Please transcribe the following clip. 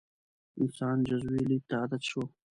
انسان جزوي لید ته عادت شو.